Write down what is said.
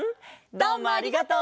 どうもありがとう！